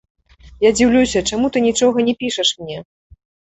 Я дзіўлюся, чаму ты нічога не пішаш мне.